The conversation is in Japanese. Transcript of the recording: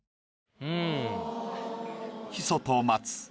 うん。